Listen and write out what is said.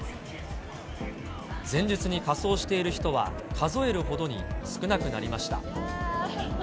前日に仮装している人は数えるほどに少なくなりました。